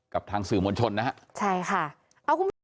กับทางสื่อมวลชนนะครับใช่ค่ะเอาคุณพูดด้วย